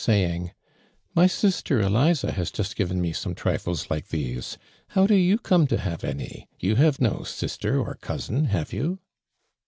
saying :" My sister Eliza has just given me some triHes like those. How tlo you como to have any? You havo no sister, or cousin, have you